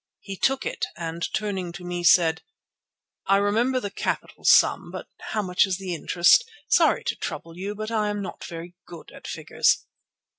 He took it, and turning to me, said: "I remember the capital sum, but how much is the interest? Sorry to trouble you, but I am not very good at figures."